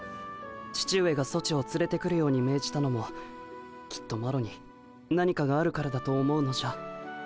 父上がソチをつれてくるように命じたのもきっとマロに何かがあるからだと思うのじゃ。